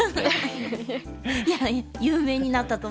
いやいや有名になったと思います。